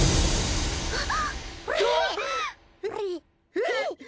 えっ！？